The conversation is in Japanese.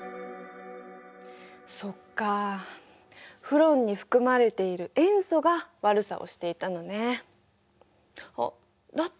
そっかフロンに含まれている塩素が悪さをしていたのね。